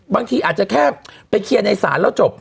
บางทีอาจจะแค่ไปเคลียร์ในศาลแล้วจบ